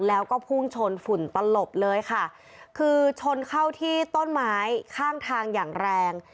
แล้วก็พุ่งชนฝุ่นตลบเลยค่ะคือชนเข้าที่ต้นไม้ข้างทางอย่างแรง